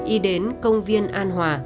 y đến công viên an hòa